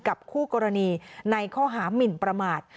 คู่กรณีในข้อหามินประมาท